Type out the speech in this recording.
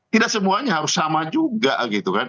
tidak semuanya harus sama juga gitu kan